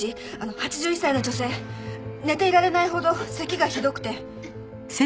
８１歳の女性寝ていられないほどせきがひどくて。